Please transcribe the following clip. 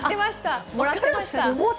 もらってました。